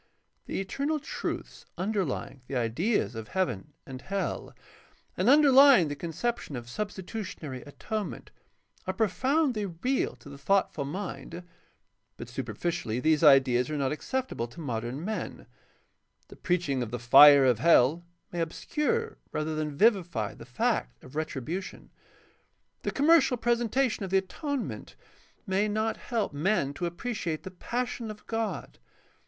The eternal truths underlying the ideas of heaven and hell and underlying the conception of substitutionary atonement are profoundly real to the thoughtful mind, but superficially these ideas are not acceptable to modern men. The preaching of the fire of hell may obscure rather than vivify the fact of retribution. The commercial presentation of the atonement may not help 590 GUIDE TO STUDY OF CHRISTIAN RELIGION men to appreciate the passion of God.